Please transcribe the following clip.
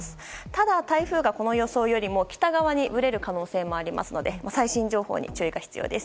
ただ、台風がこの予想よりも北側にぶれる可能性もありますので最新情報に注意が必要です。